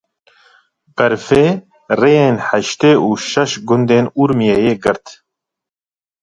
Berfê, rêyên heştê û şeş gundên Urmiyeyê girt.